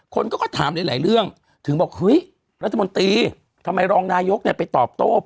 คนก็ถามหลายเรื่องถึงบอกเฮ้ยรัฐมนตรีทำไมรองนายกเนี่ยไปตอบโต้